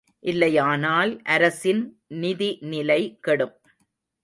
இல்லையானால் அரசின் நிதிநிலை கெடும்.